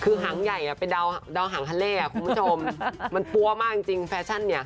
คือหางใหญ่เป็นดาวหางฮัลเล่คุณผู้ชมมันปั้วมากจริงแฟชั่นเนี่ย